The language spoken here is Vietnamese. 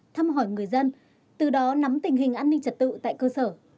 thăm hỏi người dân từ đó nắm tình hình an ninh trật tự tại cơ sở